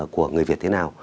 của người việt thế nào